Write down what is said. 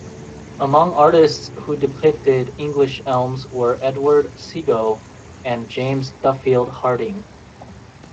Among artists who depicted English Elms were Edward Seago and James Duffield Harding.